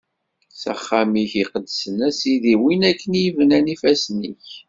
S axxam-ik iqedsen, a Sidi, win akken i bnan ifassen-ik.